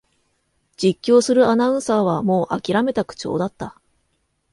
実況するアナウンサーはもうあきらめた口調だった